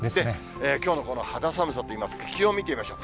きょうのこの肌寒さといいますか、気温見てみましょう。